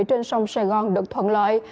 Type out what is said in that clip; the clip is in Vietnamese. trên sông sài gòn được thuận lợi